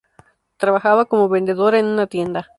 Trabajaba como vendedora en una tienda.